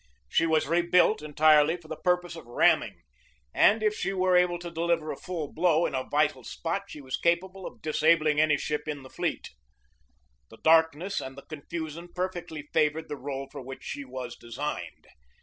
She was rebuilt 64 GEORGE DEWEY entirely for the purpose of ramming, and if she were able to deliver a full blow in a vital spot she was capable of disabling any ship in the fleet. The darkness and the confusion perfectly favored the role for which she was designed.